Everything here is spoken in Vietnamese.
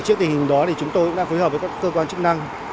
trước tình hình đó chúng tôi cũng đã phối hợp với các cơ quan chức năng